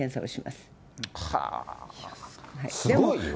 すごいわ。